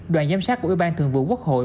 đoàn giám sát của ủy ban thường vụ quốc hội